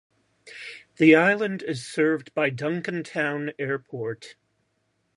The island is served by Duncan Town Airport.